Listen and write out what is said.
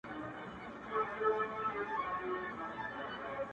او ستا د ښكلي شاعرۍ په خاطر،